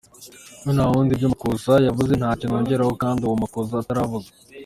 Nka wa wundi ngo “ibyo Makuza yavuze ntacyo nongeraho….” kandi uwo Makuza ataravuga!!!